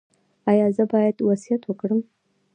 ایا زه باید وصیت وکړم؟